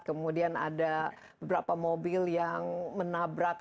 kemudian ada beberapa mobil yang menabrak